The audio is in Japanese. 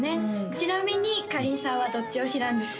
ちなみにかりんさんはどっち推しなんですか？